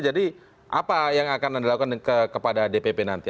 jadi apa yang akan dilakukan kepada dpp nanti